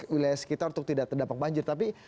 wilayah sekitar untuk tidak terdampak banjir tapi